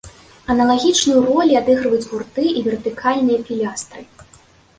Аналагічную ролі адыгрываюць гурты і вертыкальныя пілястры.